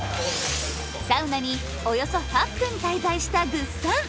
サウナにおよそ８分滞在したぐっさん